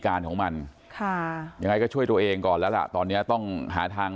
ของมันค่ะยังไงก็ช่วยตัวเองก่อนแล้วล่ะตอนเนี้ยต้องหาทาง